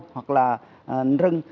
hoặc là rưng